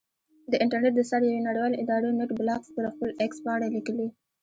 د انټرنېټ د څار یوې نړیوالې ادارې نېټ بلاکس پر خپل ایکس پاڼه لیکلي.